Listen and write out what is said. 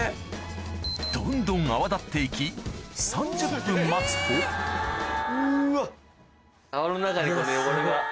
どんどん泡立って行き３０分待つとうわ！